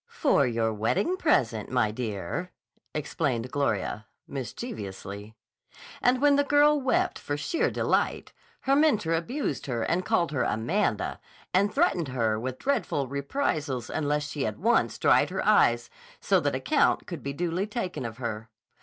"For your wedding present, my dear," explained Gloria mischievously. And when the girl wept for sheer delight, her mentor abused her and called her "Amanda," and threatened her with dreadful reprisals unless she at once dried her eyes so that account could be duly taken of her.